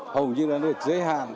hầu như đã được giới hạn